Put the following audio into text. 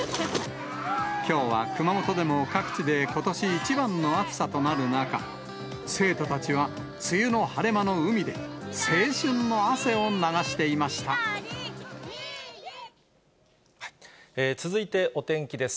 きょうは熊本でも各地でことし一番の暑さとなる中、生徒たちは梅雨の晴れ間の海で、青春の汗続いてお天気です。